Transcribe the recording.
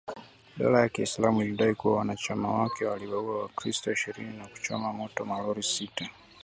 Dola ya Kiislamu ilidai kuwa wanachama wake waliwaua wakristo ishirini na kuchoma moto malori sita .